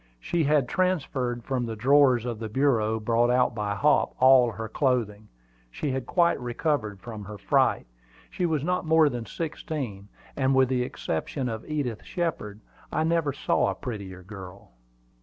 She had transferred from the drawers of the bureau brought out by Hop, all her clothing. She had quite recovered from her fright. She was not more than sixteen, and with the exception of Edith Shepard, I never saw a prettier girl.